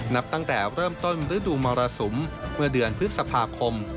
นับตั้งแต่เริ่มต้นฤดูมรสุมเมื่อเดือนพฤษภาคม